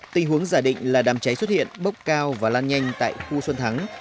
tình huống giả định là đàm cháy xuất hiện bốc cao và lan nhanh tại khu xuân thắng